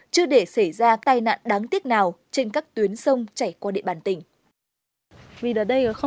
chưa để xảy ra tai nạn đáng tiếc nào trên các tuyến sông chảy qua địa bàn tỉnh